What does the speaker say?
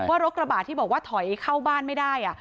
รถกระบะที่บอกว่าถอยเข้าบ้านไม่ได้